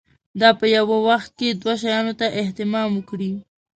دا په یوه وخت کې دوو شیانو ته اهتمام وکړي.